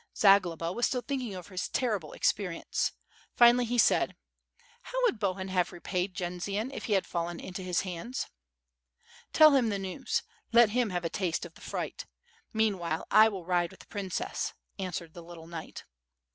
Zagloba was still thinking over his terrible experience. Finally, Jie said: "How would Bohun have repaid Jendzian, if he had fallen into his handsf" "Tell him the news. Let him have a taste of the fright. Meantime, I will ride on with the princess," answered the little knight.